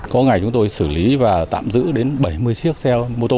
có ngày chúng tôi xử lý và tạm giữ đến bảy mươi chiếc xe